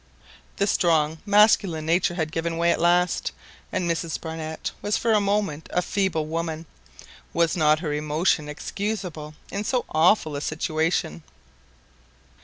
The strong masculine nature had given way at last, and Mrs Barnett was for a moment a feeble woman. Was not her emotion excusable in so awful a situation?